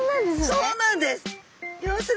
そうなんです。